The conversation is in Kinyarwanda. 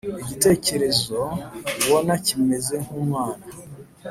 igitekerezo ubona kimeze nkumwana